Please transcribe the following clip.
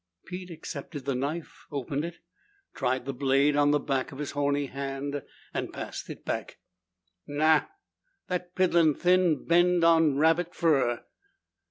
Pete accepted the knife, opened it, tried the blade on the back of his horny hand, and passed it back. "Nao. That piddlin' thin'd bend on rabbit fur."